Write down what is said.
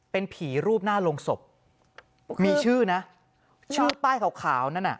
เป็นผีรูปหน้าโรงศพมีชื่อนะชื่อป้ายขาวขาวนั่นน่ะ